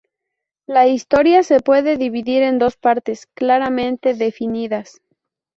La historia se puede dividir en dos partes, claramente definidas.